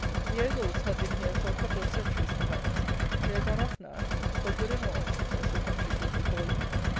The Ogles had been here for a couple of centuries perhaps. They are gone off now, "for good and all," as the country people call it.